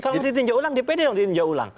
kalau ditinjau ulang dpd dong ditinjau ulang